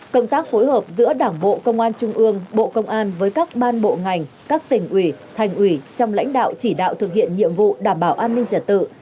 công tác phối hợp giữa đảng bộ công an trung ương bộ công an với các ban bộ ngành các tỉnh ủy thành ủy trong lãnh đạo chỉ đạo thực hiện nhiệm vụ đảm bảo an ninh trật tự